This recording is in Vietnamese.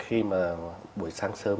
khi mà buổi sáng sớm